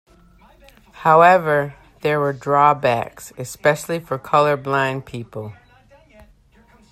However, there were drawbacks, especially for color blind people.